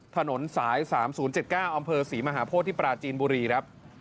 ถนนสาย๓๐๗๙อำเภอศรีมหาโพธิที่ปราจีนบุรีครับ